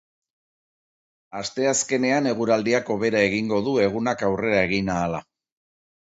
Asteazkenean, eguraldiak hobera egingo du egunak aurrera egin ahala.